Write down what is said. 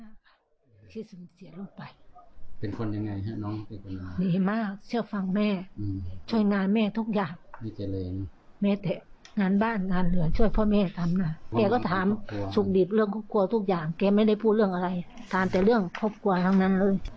กลัวทุกอย่างเคยไม่ได้พูดเรื่องอะไรทานแต่เรื่องครอบครัวทั้งนั้นเลย